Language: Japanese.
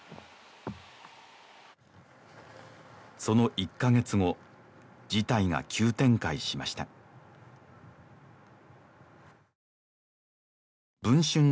その１カ月後事態が急展開しました文春